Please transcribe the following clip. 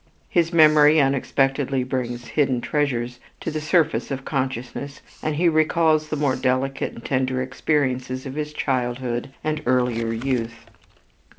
His memory unexpectedly brings hidden treasures to the surface of consciousness and he recalls the more delicate and tender experiences of his childhood and earlier youth.